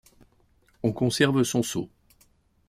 On conserve son sceau.